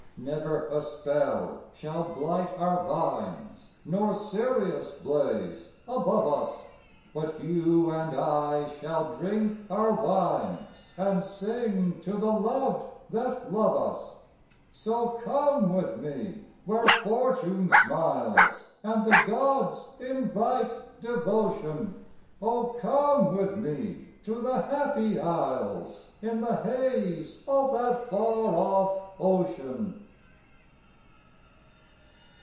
Never a spell shall blight our vines, Nor Sirius blaze above us, But you and I shall drink our wines And sing to the loved that love us. So come with me where Fortune smiles And the gods invite devotion, Oh, come with me to the Happy Isles In the haze of that far off ocean!